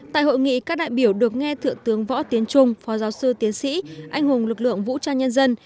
tại hội nghị các đại biểu được nghe thượng tướng võ tiến trung phó giáo sư tiến sĩ anh hùng lực lượng vũ trang nhân dân